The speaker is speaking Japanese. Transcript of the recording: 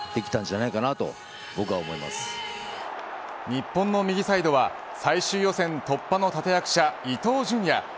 日本の右サイドは最終予選突破の立て役者伊東純也